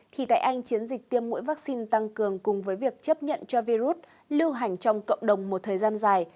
khi tại anh chiến dịch tiêm mũi vaccine tăng cường cùng với việc chấp nhận cho virus lưu hành trong cộng đồng một thời gian dài